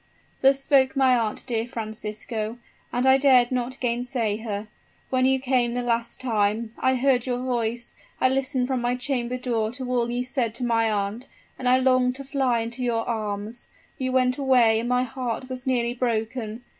"Thus spoke my aunt, dear Francisco, and I dared not gainsay her. When you came the last time. I heard your voice; I listened from my chamber door to all you said to my aunt, and I longed to fly into your arms. You went away and my heart was nearly broken.